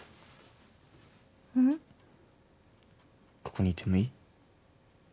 ここにいてもいい？